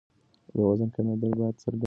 د وزن کمېدل بیا څرګندېږي.